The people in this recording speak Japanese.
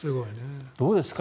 どうですか？